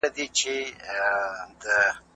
سياست د ټکر په وخت کي غيري سوله ييز کېږي.